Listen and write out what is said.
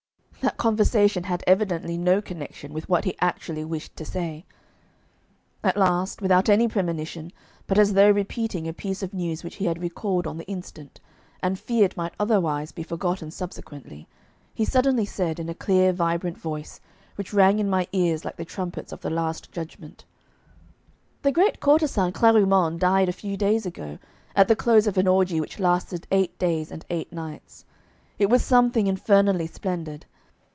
That conversation had evidently no connection with what he actually wished to say. At last, without any premonition, but as though repeating a piece of news which he had recalled on the instant, and feared might otherwise be forgotten subsequently, he suddenly said, in a clear vibrant voice, which rang in my ears like the trumpets of the Last Judgment: 'The great courtesan Clarimonde died a few days ago, at the close of an orgie which lasted eight days and eight nights. It was something infernally splendid.